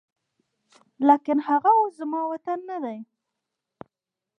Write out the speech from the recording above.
لاکن هغه اوس زما وطن نه دی